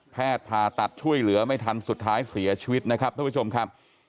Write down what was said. ผ่าตัดช่วยเหลือไม่ทันสุดท้ายเสียชีวิตนะครับท่านผู้ชมครับ